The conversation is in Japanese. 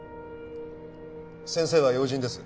先生は要人です。